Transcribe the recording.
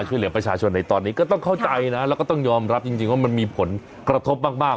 ช่วยเหลือประชาชนในตอนนี้ก็ต้องเข้าใจนะแล้วก็ต้องยอมรับจริงว่ามันมีผลกระทบมาก